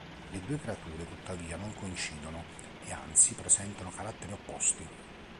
Le due creature tuttavia non coincidono, e anzi presentano caratteri opposti.